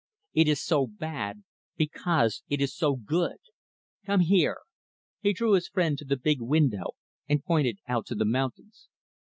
It is so bad because it is so good. Come here!" he drew his friend to the big window, and pointed to the mountains.